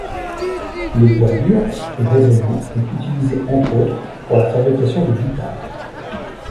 Le bois dur et résonnant est utilisé, entre autres, pour la fabrication de guitares.